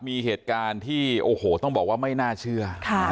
มีเหตุการณ์ที่โอ้โหต้องบอกว่าไม่น่าเชื่อ